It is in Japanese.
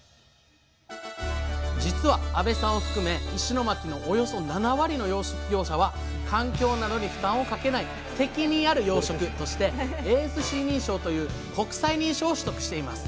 実は阿部さんを含め石巻のおよそ７割の養殖業者は環境などに負担をかけない責任ある養殖としてＡＳＣ認証という国際認証を取得しています